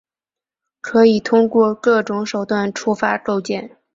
可以通过各种手段触发构建。